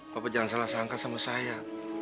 bapak jangan salah sangka sama saya